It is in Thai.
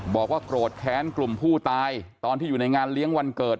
บอกว่าโกรธแค้นกลุ่มผู้ตายตอนที่อยู่ในงานเลี้ยงวันเกิด